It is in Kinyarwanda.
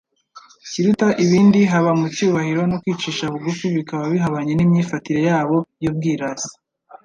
kiruta ibindi haba mu cyubahiro no kwicisha bugufi bikaba bihabanye n'imyifatire yabo y'ubwirasi.